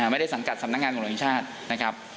ไม่ได้สังกัดสำนักงานของโรงชาตินะครับ